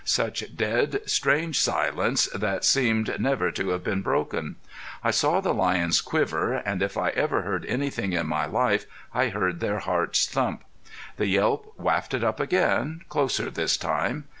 Such dead, strange silence, that seemed never to have been broken! I saw the lions quiver, and if I ever heard anything in my life I heard their hearts thump. The yelp wafted up again, closer this time.